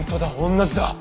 同じだ。